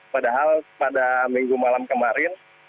padahal pada minggu malam kemarin